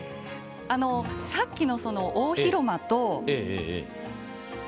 さっきの大広間。